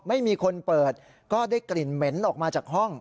ไม่มีคนเปิดก็ได้กลิ่นเหม็นออกมาจากห้อง